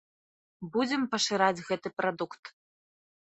Будзем пашыраць гэты прадукт.